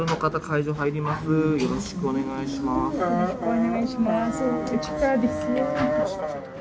よろしくお願いします。